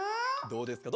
どうですか？